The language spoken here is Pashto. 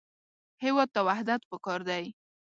هېواد ته وحدت پکار دی